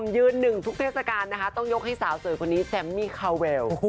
ยืนหนึ่งทุกเทศกาลนะคะต้องยกให้สาวสวยคนนี้แซมมี่คาเวล